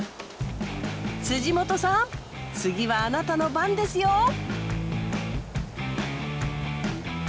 本さん次はあなたの番ですよ！